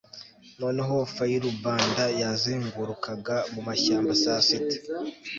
Noneho fayrubanda yazengurukaga mumashyamba saa sita